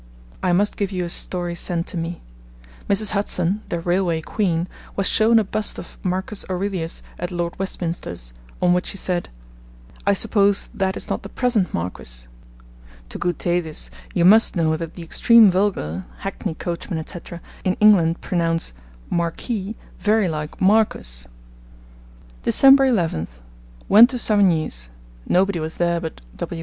I must give you a story sent to me. Mrs. Hudson, the railway queen, was shown a bust of Marcus Aurelius at Lord Westminster's, on which she said, 'I suppose that is not the present Marquis.' To gouter this, you must know that the extreme vulgar (hackney coachmen, etc.) in England pronounce 'marquis' very like 'Marcus.' Dec, 11th. Went to Savigny's. Nobody was there but W.